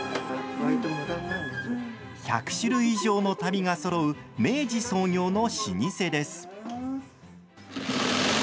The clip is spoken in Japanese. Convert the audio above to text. １００種類以上の足袋がそろう明治創業の老舗です。